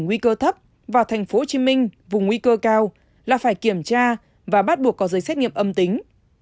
nguy cơ thấp và tp hcm vùng nguy cơ cao là phải kiểm tra và bắt buộc có giấy xét nghiệm âm tính